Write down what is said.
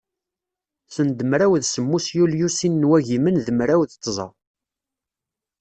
Send mraw d semmus yulyu sin n wagimen d mraw d tẓa.